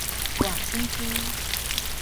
外省豬